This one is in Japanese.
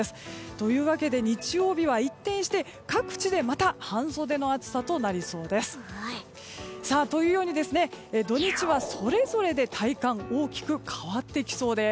というわけで、日曜日は一転して各地でまた半袖の暑さとなりそうです。というように土日はそれぞれで体感大きく変わってきそうです。